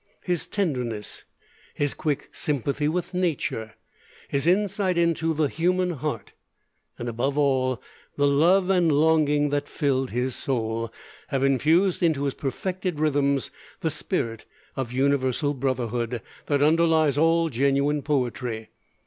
His tenderness, his quick sympathy with nature, his insight into the human heart, above all, the love and longing that filled his soul, have infused into his perfected rhythms the spirit of universal brotherhood that underlies all genuine poetry.